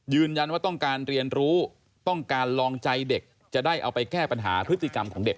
ยืนยันว่าต้องการเรียนรู้ต้องการลองใจเด็กจะได้เอาไปแก้ปัญหาพฤติกรรมของเด็ก